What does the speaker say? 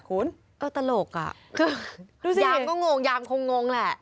คือยามก็งงยามคงงแหละ